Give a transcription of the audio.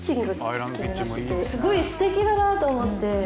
すごいステキだなと思って。